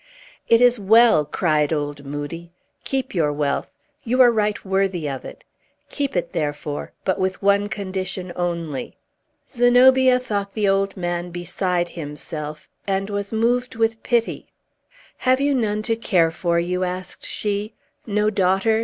"It is well," cried old Moodie. "Keep your wealth. You are right worthy of it. Keep it, therefore, but with one condition only." Zenobia thought the old man beside himself, and was moved with pity. "Have you none to care for you?" asked she. "No daughter?